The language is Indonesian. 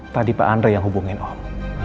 tadi pak andre yang hubungin oh